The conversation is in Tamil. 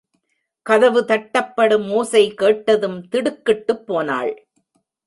கதவு தட்டப்படும் ஓசை கேட்டதும் திடுக்கிட்டுப் போனாள்.